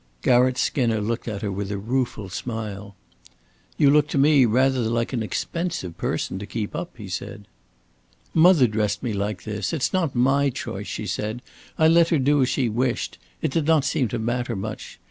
Garratt Skinner looked at her with a rueful smile. "You look to me rather an expensive person to keep up," he said. "Mother dressed me like this. It's not my choice," she said. "I let her do as she wished. It did not seem to matter much.